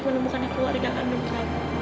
kembangkan keluarga kamu flav